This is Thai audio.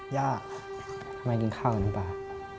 ย่าทำไมกินข้าวกับน้ำปลา